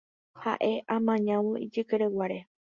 Ha'e amañávo ijykereguáre.